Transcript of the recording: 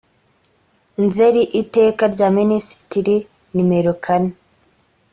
nzeri iteka rya minisitiri nimero kane